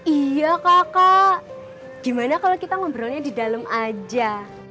iya kakak gimana kalau kita ngobrolnya di dalam aja